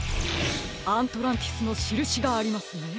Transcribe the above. アントランティスのしるしがありますね。